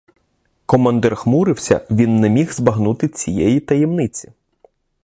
Командир хмурився, він не міг збагнути цієї таємниці.